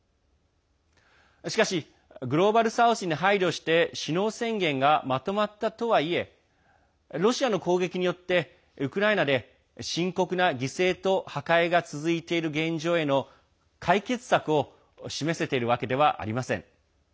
しかしグローバル・サウスに配慮して首脳宣言がまとまったとはいえロシアの攻撃によってウクライナで深刻な犠牲と破壊が続いている現状への解決策を示せているわけではありません。